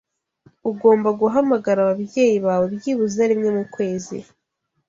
Ugomba guhamagara ababyeyi bawe byibuze rimwe mu kwezi